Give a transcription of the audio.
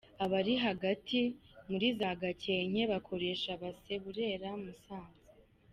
Abari hagati muri za Gakenke bakoresha Base-Burera- Musanze”.